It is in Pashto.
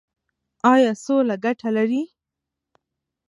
ایا سوله ګټه لري؟